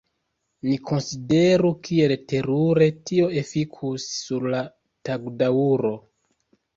Ni konsideru kiel terure tio efikus sur la tagdaŭro.